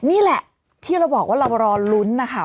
นี่แหละที่เราบอกว่าเรารอลุ้นนะคะ